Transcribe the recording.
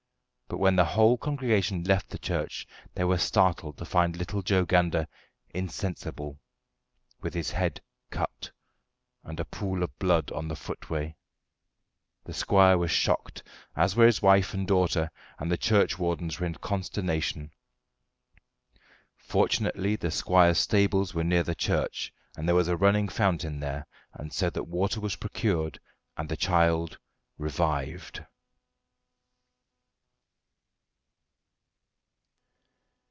But when the whole congregation left the church they were startled to find little Joe Gander insensible, with his head cut, and a pool of blood on the footway. The squire was shocked, as were his wife and daughter, and the churchwardens were in consternation. Fortunately the squire's stables were near the church, and there was a running fountain there, so that water was procured, and the child revived.